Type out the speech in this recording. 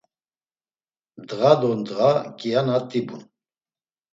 Ndğa do ndğa kiana t̆ibun.